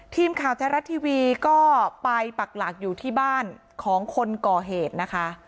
ทีมข่าวแท้รัฐทีวีก็ไปปักหลักอยู่ที่บ้านของคนก่อเหตุนะคะ